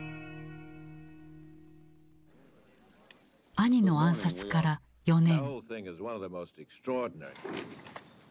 兄の暗殺から４年。